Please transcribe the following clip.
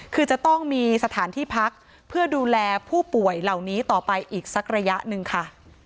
คือจะต้องมีสถานที่พักเพื่อดูแลผู้ป่วยเหล่านี้ต่อไปอีกสักระยะหนึ่งค่ะ